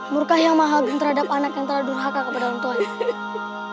murkah yang maha terhadap anak yang tra produced kak kepada bapak ibu